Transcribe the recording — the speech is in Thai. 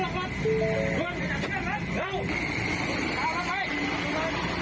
ครับ